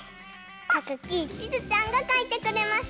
たかきちづちゃんがかいてくれました。